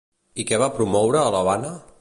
I què va promoure a l'Havana?